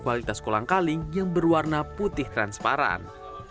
kualitas kolang kaling yang berwarna putih transparan